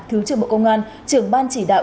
thứ trưởng bộ công an trưởng ban chỉ đạo